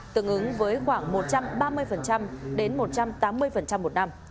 tương ứng với khoảng một trăm ba mươi đến một trăm tám mươi một năm